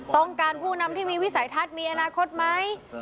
ต้องการผู้นำที่มีวิสัยทัศน์มีอนาคตไหม